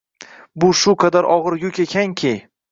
Bu shu qadar og`ir yuk ekanki